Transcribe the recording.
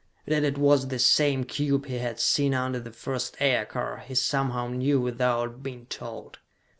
That it was the same cube he had seen under the first aircar, he somehow knew without being told.